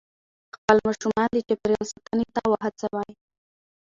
خپل ماشومان د چاپېریال ساتنې ته وهڅوئ.